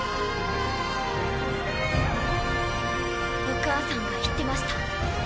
お母さんが言ってました。